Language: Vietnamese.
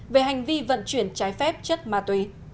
về hành vi vận chuyển trái phép chất ma túy